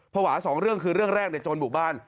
สองเรื่องคือเรื่องแรกในโจรบุกบ้าน